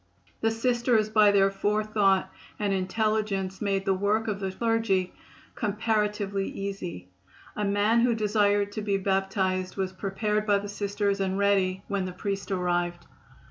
The Sisters by their forethought and intelligence made the work of the clergy comparatively easy. A man who desired to be baptized was prepared by the Sisters and ready when the priest arrived.